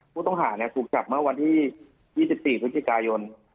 ผู้ต้องหาจูบจับเมื่อวันที่๒๔ธุรกิจกรายล๒๕๖๕